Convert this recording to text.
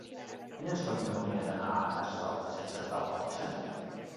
Quina és la millor manera d'anar a Cases Altes sense agafar el cotxe?